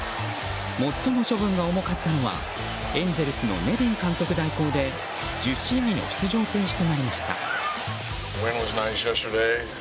最も処分が重かったのはエンゼルスのネビン監督代行で１０試合の出場停止となりました。